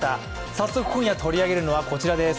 早速今夜取り上げるのは、こちらです。